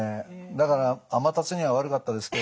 だからアマタツには悪かったですけどね